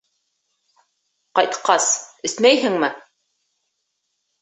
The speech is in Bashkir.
— Ҡайтҡас, эсмәйһеңме?